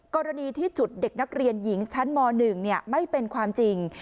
กรณีที่จุดเด็กนักเรียนหญิงชั้นม๑ไม่เป็นความจริง